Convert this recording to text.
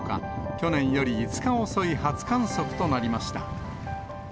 去年より５日遅い初観測となりました。